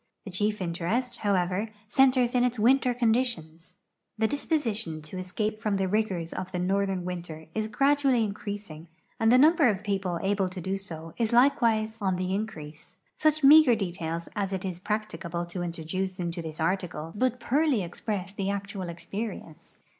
The chief interest, however, centers in its winter conditions. The disposition to escape from the rigors of the northern winter is gradually in creasing, and the number of people able to do so is likewise on OF THE UNITED STATES 387 the increase. Such meager details as it is practicable to intro duce into this article but poorly express tbe actual experience.